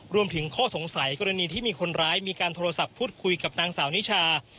รวมถึงข้อสงสัยกรณีที่มีคนร้ายมีการโทรศัพท์พูดคุยกับนางสาวนิชา